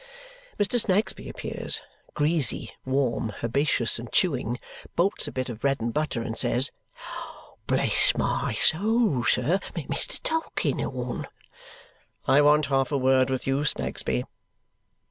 Mr. Snagsby appears, greasy, warm, herbaceous, and chewing. Bolts a bit of bread and butter. Says, "Bless my soul, sir! Mr. Tulkinghorn!" "I want half a word with you, Snagsby."